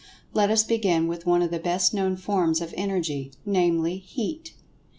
Let us begin with one of the best known forms of Energy, namely, Heat.